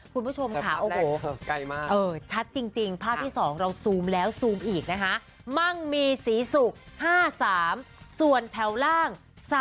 คุณผู้ชมค่ะโอ้โหชัดจริงภาพที่๒เราซูมแล้วซูมอีกนะคะมั่งมีศรีศุกร์๕๓ส่วนแถวล่าง